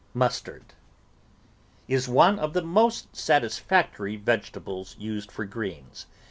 MUSTARD Is one of the most satisfactory vegetables used for greens.